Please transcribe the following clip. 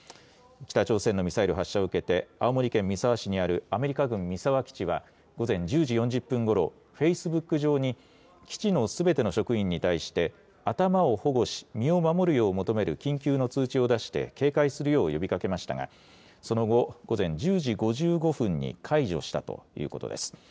北朝鮮のミサイル発射を受けまして青森県三沢市にあるアメリカ軍三沢基地は午前１０時４０分ごろフェイスブック上に基地のすべての職員に対して頭を保護し身を守るよう求める緊急の通知を出して警戒するよう呼びかけましたがその後、１０時５５分に解除したということです。